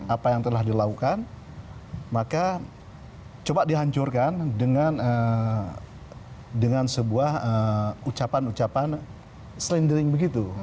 apa yang telah dilakukan maka coba dihancurkan dengan sebuah ucapan ucapan slendering begitu